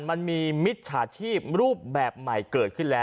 มิจฉาชีพรูปแบบใหม่เกิดขึ้นแล้ว